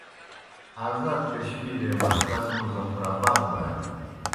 آزاد کشمیرے مرکز مظفر آباد دانیْ۔